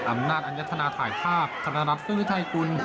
อำนาจอัญญาตนาถ่ายภาพธนรัฐฟิศวิทยาคุณ